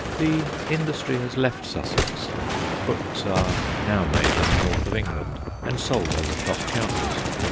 The industry has left Sussex: crooks are now made in the north of England and sold over shop counters.